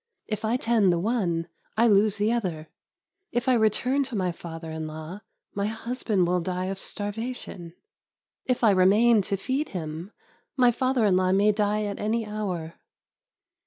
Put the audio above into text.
If I tend the one, I lose the other. If I return to my father in law, my husband will die of starvation. If I remain to feed him, my father in law may die at any hour.